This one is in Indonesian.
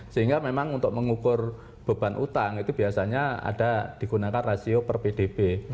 sehingga memang untuk mengukur beban utang itu biasanya ada digunakan rasio per pdb